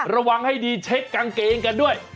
ระวังให้ดีเช็คกางเกงกันด้วย